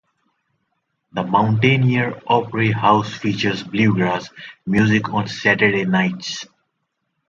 The Mountaineer Opry House features bluegrass music on Saturday nights.